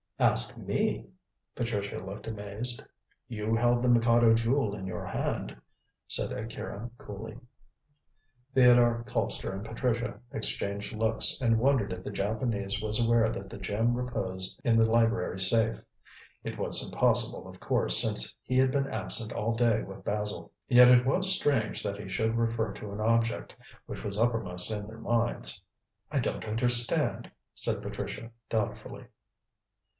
"Ask me?" Patricia looked amazed. "You held the Mikado Jewel in your hand," said Akira coolly. Theodore, Colpster and Patricia exchanged looks, and wondered if the Japanese was aware that the gem reposed in the library safe. It was impossible, of course, since he had been absent all day with Basil. Yet it was strange that he should refer to an object which was uppermost in their minds. "I don't understand," said Patricia doubtfully.